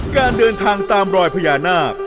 การเดินทางตามรอยพญานาค